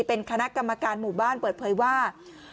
เป็นคณะกรรมการหมู่บ้านเปิดเผยว่า